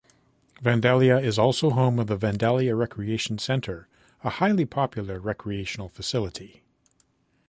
Vandalia also is home of the Vandalia Recreation Center, a highly popular recreational facility.